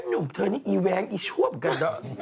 แก่หนูเธอนี่อีแวงอีชวบกัน